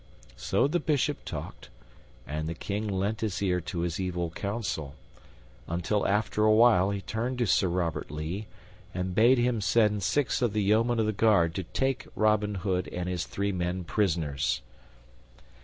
So the Bishop talked, and the King lent his ear to his evil counsel, until, after a while, he turned to Sir Robert Lee and bade him send six of the yeomen of the guard to take Robin Hood and his three men prisoners.